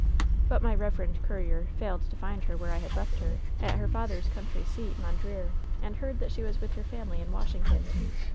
But my reverend courier failed to find her where I had left her, at her father's country seat, Mondreer, and heard that she was with her family in Washington.